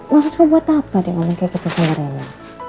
maksudmu buat apa dia ngomong kayak gitu sama rina